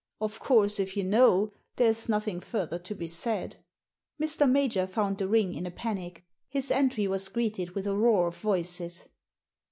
" Of course, if you know, there's nothing further to be said." Mr. Major found the ring in a panic. His entry was greeted with a roar of voices.